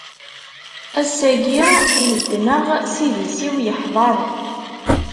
Ass-agi theddneɣ, s idis-iw yeḥdeṛ.